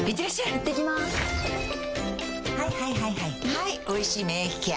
はい「おいしい免疫ケア」